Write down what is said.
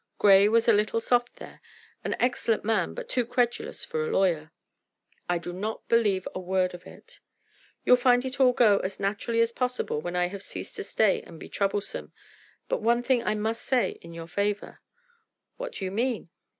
Grey was a little soft there: an excellent man, but too credulous for a lawyer." "I do not believe a word of it." "You'll find it all go as naturally as possible when I have ceased to stay and be troublesome. But one thing I must say in your favor." "What do you mean?"